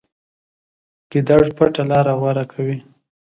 ګیدړ پټه لاره غوره کوي.